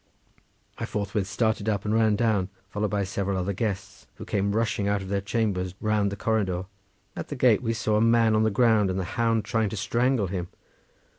I forthwith started up and ran down, followed by several other guests who came rushing out of their chambers round the corridor. At the gate we saw a man on the ground, and the hound trying to strangle him.